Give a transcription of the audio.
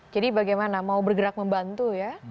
jadi bagaimana mau bergerak membantu ya